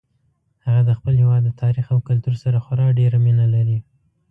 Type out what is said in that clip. هغه د خپل هیواد د تاریخ او کلتور سره خورا ډیره مینه لري